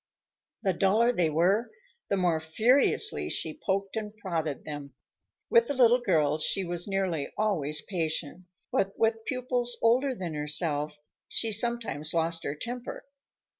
The duller they were, the more furiously she poked and prodded them. With the little girls she was nearly always patient, but with pupils older than herself, she sometimes lost her temper.